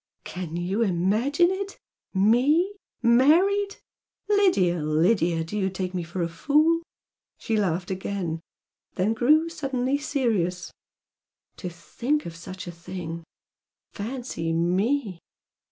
"Can you imagine it! ME, married? Lydia, Lydia, do you take me for a fool!" She laughed again then grew suddenly serious. "To think of such a thing! Fancy ME!